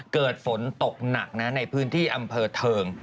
เกิดฝนตกหนักนะในพื้นที่อำเภอเทิง